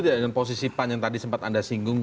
tidak dengan posisi pan yang tadi sempat anda singgung